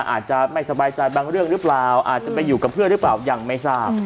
อาจจะไม่สบายใจบางเรื่องหรือเปล่าอาจจะไปอยู่กับเพื่อนหรือเปล่ายังไม่ทราบ